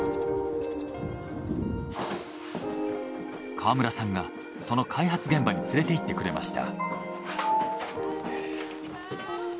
川村さんがその開発現場に連れて行ってくれました。